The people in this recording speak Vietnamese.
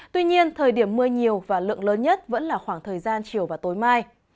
tuy nhiên thời điểm mưa nhiều và lượng lớn nhất vẫn là khoảng thời gian chiều và tối mai